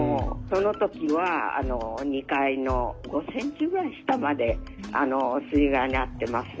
その時は２階の５ｃｍぐらい下まで水害に遭ってます。